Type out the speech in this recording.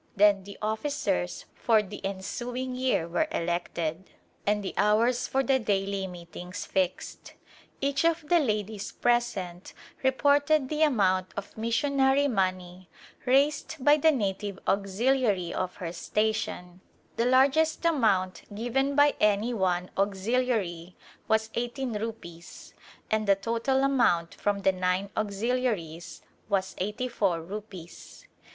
Then the officers for the ensuing year were elected, and the hours for the daily meetings fixed. Each of the ladies present reported the amount of missionary money raised by the native auxiliary of her station ; the largest amount given by any one auxiliary was eighteen rupees and the total amount from the nine auxiliaries was eighty four rupees.